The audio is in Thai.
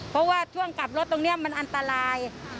เพราะว่าช่วงกลับรถตรงนี้มันอันตราย